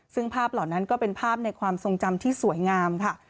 ซึ่งภาพเหล่านั้นก็เป็นภาพในความทรงจำที่สวยงามค่ะ